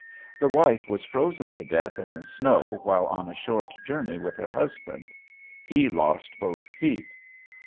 The wife was frozen to death in the snow while on a short journey with her husband. He lost both feet.